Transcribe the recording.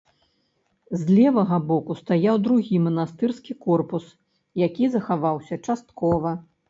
З левага боку стаяў другі манастырскі корпус, які захаваўся часткова.